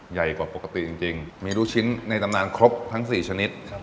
ใหญ่กว่าปกติจริงมีลูกชิ้นในตำนานครบทั้ง๔ชนิด